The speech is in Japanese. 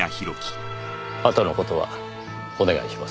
あとの事はお願いします。